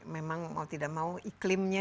memang mau tidak mau iklimnya